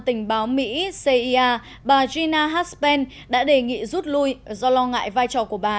tình báo mỹ cia bà gina haspen đã đề nghị rút lui do lo ngại vai trò của bà